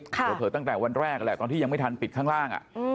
เผลอตั้งแต่วันแรกแหละตอนที่ยังไม่ทันปิดข้างล่าง